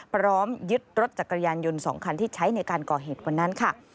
พร้อมยึดรถจักรยานยนต์๒คันที่ใช้ในการก่อเหตุวันนั้นค่ะ